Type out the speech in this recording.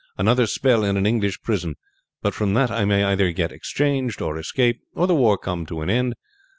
Another spell in an English prison; but from that I may either get exchanged, or escape, or the war come to an end.